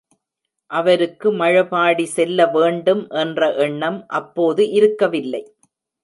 அவருக்கு மழபாடி செல்ல வேண்டும் என்ற எண்ணம் அப்போது இருக்கவில்லை.